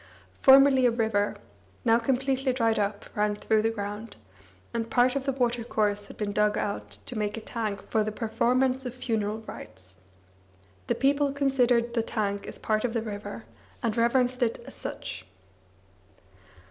Formerly a river, now completely dried up, ran through the ground, and part of the watercourse had been dug out to make a tank for the performance of funeral rites. The people considered the tank as part of the river and reverenced it as such.